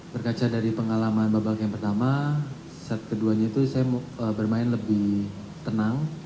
berkaca dari pengalaman babak yang pertama set keduanya itu saya bermain lebih tenang